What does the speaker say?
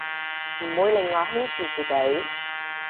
唔會令我輕視自己